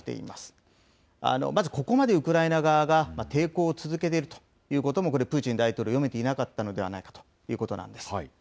まずここまでウクライナ側が抵抗を続けているということもこれ、プーチン大統領、読めていなかったんじゃないかということなんです。